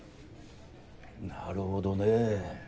なるほどねぇ。